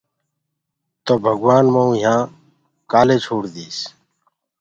تو ڀگوآن مئوُ يهآنٚ ڪيآ ڪي ڇوڙ ديٚس۔